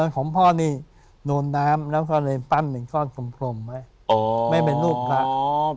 ของพ่อนี่โดนน้ำแล้วก็เลยปั้นเป็นข้อนกลมไม่เป็นลูกครับ